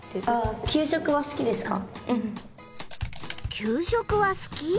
給食は好き？